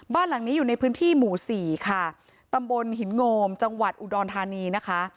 บ้านหลังนี้อยู่ในพื้นที่หมู่สี่ค่ะตำบลหินโงมจังหวัดอุดรธานีนะคะ